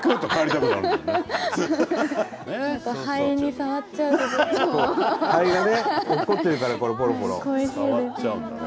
触っちゃうんだね。